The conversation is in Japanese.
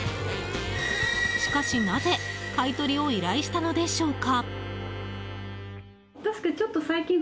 しかし、なぜ買い取りを依頼したのでしょうか？